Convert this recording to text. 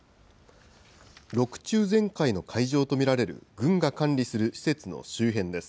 ６中全会の会場と見られる軍が管理する施設の周辺です。